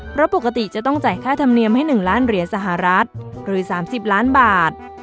เพราะปกติจะต้องจ่ายค่าธรรมเนียมให้๑ล้านเหรียญสหรัฐหรือ๓๐ล้านบาท